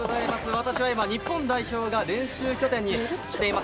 私は今、日本代表が練習拠点にしています